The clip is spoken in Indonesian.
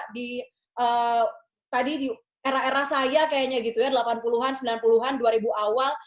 di tadi di era era saya kayaknya gitu ya delapan puluh an sembilan puluh an dua ribu awal